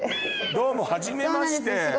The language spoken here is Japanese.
どうもはじめまして。